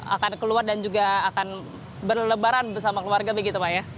akan keluar dan juga akan berlebaran bersama keluarga begitu pak ya